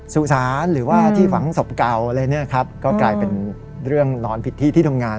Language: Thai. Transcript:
สุสานหรือว่าที่ฝังศพเก่าอะไรเนี่ยครับก็กลายเป็นเรื่องนอนผิดที่ที่ทำงาน